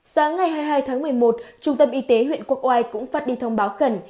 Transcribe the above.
sáng ngày hai mươi hai tháng một mươi một trung tâm y tế huyện quốc oai cũng phát đi thông báo khẩn